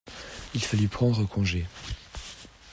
Il fallut prendre congé.